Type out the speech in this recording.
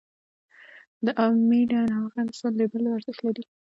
د "Made in Afghanistan" لیبل ارزښت لري؟